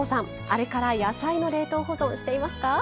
あれから野菜の冷凍保存していますか？